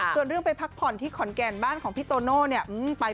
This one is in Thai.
ส่วนเรื่องไปพักผ่อนที่ขอนแก่นบ้านของพี่โตโน่เนี่ย